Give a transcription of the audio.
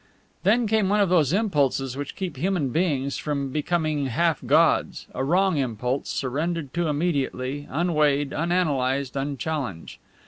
Then came one of those impulses which keep human beings from becoming half gods a wrong impulse, surrendered to immediately, unweighed, unanalyzed, unchallenged.